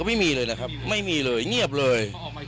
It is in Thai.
ไม่มีเลยนะครับไม่มีเลยเงียบเลย